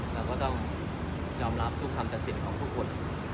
เราก็ต้องยอมรับทุกคำตัดสินของทุกคน